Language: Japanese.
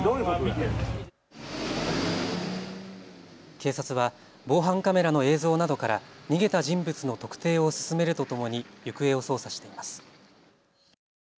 警察は防犯カメラの映像などから逃げた人物の特定を進めるとともに行方を捜査しています。